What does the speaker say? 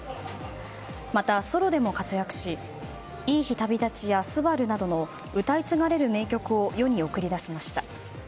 また、ソロでも活躍し「いい日旅立ち」や「昴」などの歌い継がれる名曲を世に送り出しました。